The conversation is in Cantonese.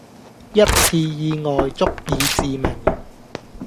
一次意外、足以致命